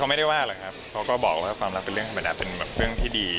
ไม่ได้ว่าหรอกครับเขาก็บอกว่าความรักเป็นเรื่องธรรมดาเป็นเรื่องที่ดี